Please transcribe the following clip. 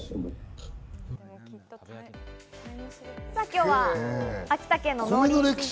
今日は秋田県の。